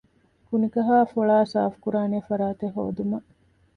ކުނިކަހައި ފޮޅައި ސާފުކުރާނެ ފަރާތެއް ހޯދުމަށް